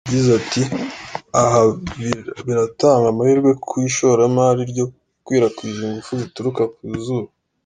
Yagize ati “Aha biratanga amahirwe ku ishoramari ryo gukwirakwiza ingufu zituruka ku zuba.